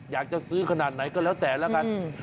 อยากจะซื้อขนาดไรก็ต่างหากแล้วกัน